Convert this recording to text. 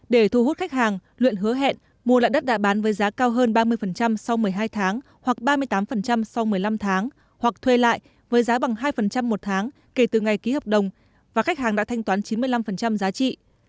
để thu hút khách hàng luyện hứa hẹn mua lại đất đạ bán với giá cao hơn ba mươi sau một mươi hai tháng hoặc ba mươi tám sau một mươi năm tháng hoặc thuê lại với giá bằng hai một tháng kể từ ngày ký hợp đồng và khách hàng đã thanh toán chín mươi năm giá trị